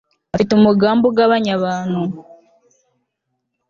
Bafite umugambi ugabanya abantu